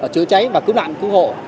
chữa cháy và khứ nạn khứ hộ